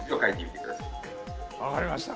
分かりました。